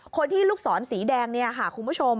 คนที่ลูกศรสีแดงคุณผู้ชม